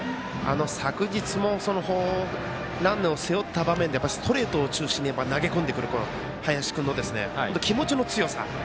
昨日もランナーを背負った場面でストレートを中心に投げ込んでくる林君の気持ちの強さ。